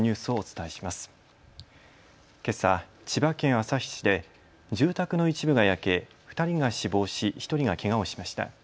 けさ、千葉県旭市で住宅の一部が焼け２人が死亡し１人がけがをしました。